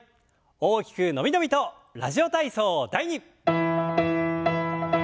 大きく伸び伸びと「ラジオ体操第２」。